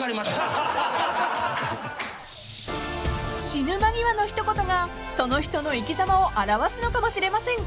［死ぬ間際の一言がその人の生きざまを表すのかもしれません］